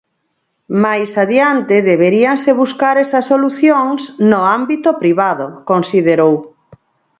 Máis adiante deberíanse buscar esas solucións "no ámbito privado", considerou.